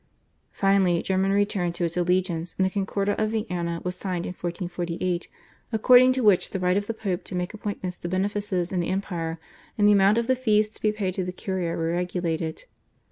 Finally Germany returned to its allegiance, and the Concordat of Vienna was signed in 1448, according to which the right of the Pope to make appointments to benefices in the Empire and the amount of the fees to be paid to the Curia were regulated.